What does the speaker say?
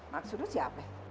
maksudnya siap ya